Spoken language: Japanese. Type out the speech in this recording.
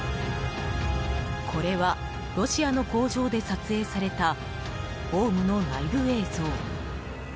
これはロシアの工場で撮影されたオウムの内部映像。